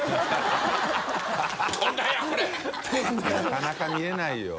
なかなか見れないよ。